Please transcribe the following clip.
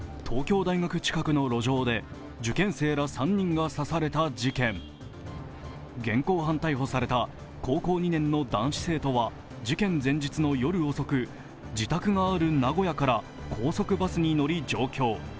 東京大学近くの路上で現行犯逮捕された高校２年の男子生徒は事件前日の夜遅く、自宅がある名古屋から高速バスに乗り、上京。